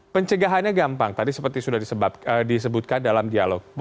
pencegahannya gampang tadi seperti sudah disebutkan dalam dialog